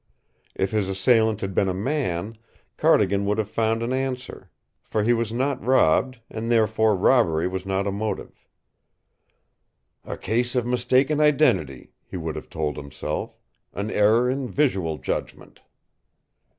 If his assailant had been a man, Carrigan would have found an answer. For he was not robbed, and therefore robbery was not a motif. "A case of mistaken identity," he would have told himself. "An error in visual judgment."